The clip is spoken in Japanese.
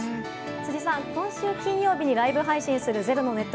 辻さん、今週金曜日にライブ配信する「ｚｅｒｏ」のネット